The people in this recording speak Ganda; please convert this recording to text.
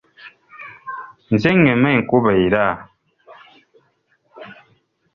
Nze ngema enkuba era.